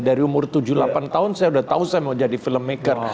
dari umur tujuh delapan tahun saya sudah tahu saya mau jadi filmmaker